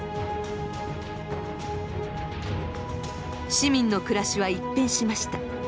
市民の暮らしは一変しました。